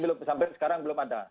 belum sampai sekarang belum ada